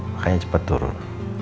makanya cepet turun